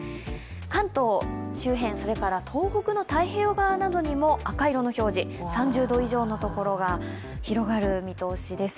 関東周辺、それから東北の太平洋側などでも赤色の表示、３０度以上のところが広がる見通しです。